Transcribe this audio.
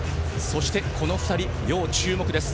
そしてこの２人要注目です。